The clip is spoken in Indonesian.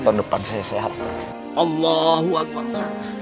bapak bisa mengembalikan uang itu kepada kami